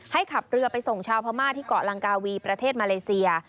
ขับเรือไปส่งชาวพม่าที่เกาะลังกาวีประเทศมาเลเซีย